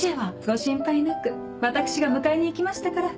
ご心配なく私が迎えに行きましたから。